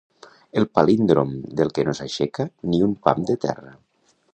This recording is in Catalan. El palíndrom del que no s'aixeca ni un pam de terra.